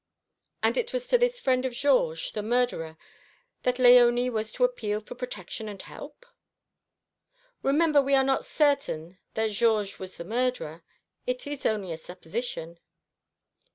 "And it was to this friend of Georges, the murderer, that Léonie was to appeal for protection and help?" "Remember we are not certain that Georges was the murderer. It is only a supposition."